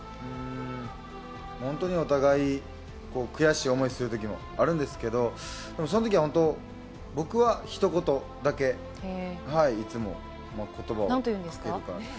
本当にお互い悔しい思いをする時もあるんですけどその時は本当、僕はひと言だけいつも、その言葉を言ってます。